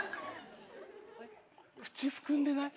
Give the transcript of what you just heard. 口含んでない？